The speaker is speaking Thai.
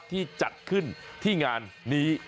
ที่จัดขึ้นที่งานนี้